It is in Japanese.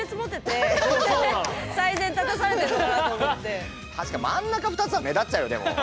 だから何か確かに真ん中２つは目立っちゃうよでも。